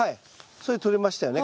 それ取れましたよね？